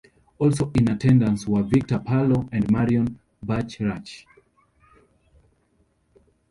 Also in attendance were Victor Perlo and Marion Bachrach.